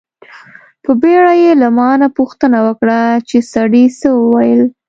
په بیړه یې له ما نه پوښتنه وکړه چې سړي څه و ویل.